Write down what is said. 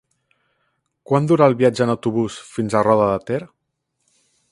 Quant dura el viatge en autobús fins a Roda de Ter?